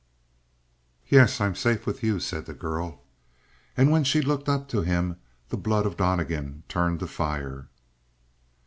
"Yes. I'm safe with you," said the girl. And when she looked up to him, the blood of Donnegan turned to fire.